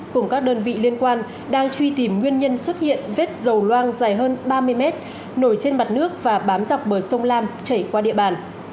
cùng các đơn vị liên quan đang truy tìm nguyên nhân xuất hiện vết dầu loang dài hơn ba mươi mét nổi trên mặt nước và bám dọc bờ sông lam chảy qua địa bàn